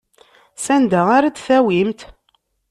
Sanda ara t-tawimt?